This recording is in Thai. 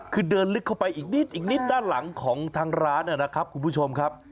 คือเดินลึกเข้าไปอีกนิดอีกนิดด้านหลังของทางร้านนะครับคุณผู้ชมครับ